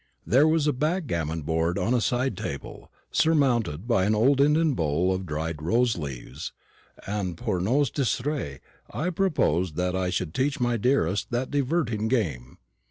There was a backgammon board on a side table, surmounted by an old Indian bowl of dried rose leaves; and, pour nous distraire, I proposed that I should teach my dearest that diverting game.